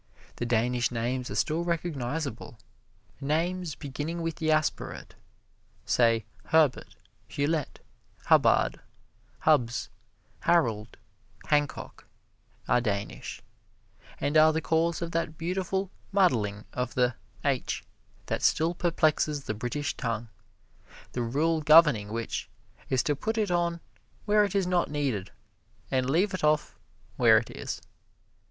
The Danish names are still recognizable. Names beginning with the aspirate, say Herbert, Hulett, Hubbard, Hubbs, Harold, Hancock, are Danish, and are the cause of that beautiful muddling of the "H" that still perplexes the British tongue, the rule governing which is to put it on where it is not needed and leave it off where it is.